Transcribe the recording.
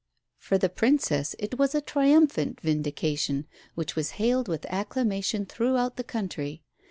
For the Princess it was a triumphant vindication, which was hailed with acclamation throughout the country.